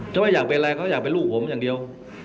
ถ้าไม่อยากเป็นอะไรเขาอยากเป็นลูกผมอย่างเดียว